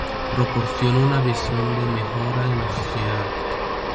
proporciona una visión de mejora de la sociedad